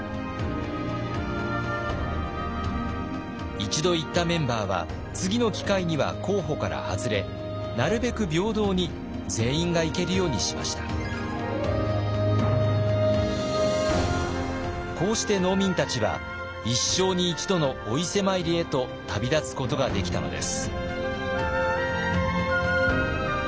一度行ったメンバーは次の機会には候補から外れなるべくこうして農民たちは一生に一度のお伊勢参りへと旅立つことができたのです。